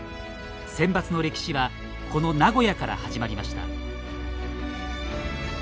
センバツの歴史はこの名古屋から始まりました。